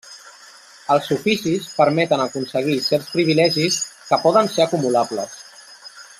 Els oficis permeten aconseguir certs privilegis que poden ser acumulables.